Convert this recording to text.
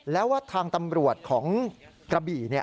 แล้วว่าทางตำรวจของกระบี่